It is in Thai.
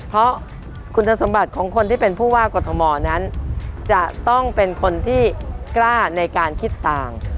เพราะคุณสมบัติของคนที่เป็นผู้ว่ากรทมนั้นจะต้องเป็นคนที่กล้าในการคิดต่าง